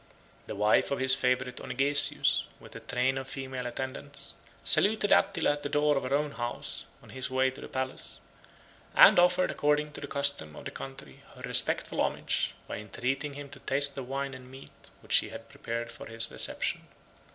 The wife of his favorite Onegesius, with a train of female attendants, saluted Attila at the door of her own house, on his way to the palace; and offered, according to the custom of the country, her respectful homage, by entreating him to taste the wine and meat which she had prepared for his reception.